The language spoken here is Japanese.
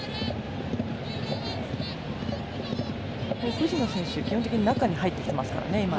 藤野選手、基本的に中に入ってきていますからね。